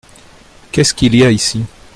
Qu’est-ce qu’il y a ici ?